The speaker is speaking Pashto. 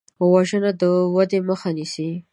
وژنه د ودې مخه نیسي